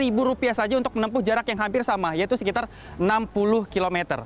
rp lima saja untuk menempuh jarak yang hampir sama yaitu sekitar enam puluh km